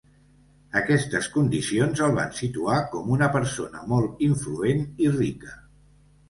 Aquestes condicions el van situar com una persona molt influent i rica.